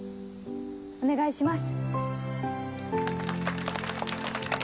お願いします。